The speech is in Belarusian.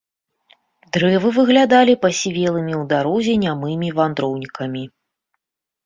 Дрэвы выглядалі пасівелымі ў дарозе нямымі вандроўнікамі.